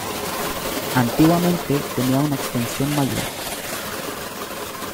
Antiguamente tenía una extensión mayor.